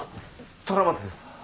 虎松です。